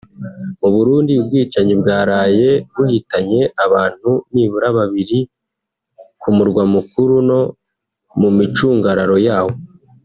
Mu Burundi ubwicanyi bwaraye buhitanye abantu nibura babiri ku murwa mukuru no mu micungararo yawo